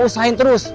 gue usahain terus